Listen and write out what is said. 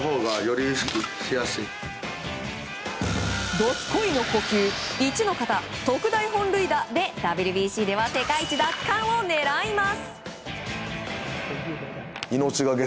ドスコイの呼吸壱の型特大本塁打でＷＢＣでは世界一奪還を狙います。